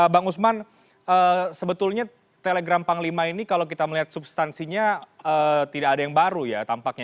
bang usman sebetulnya telegram panglima ini kalau kita melihat substansinya tidak ada yang baru ya tampaknya